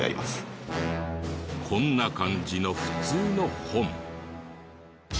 こんな感じの普通の本。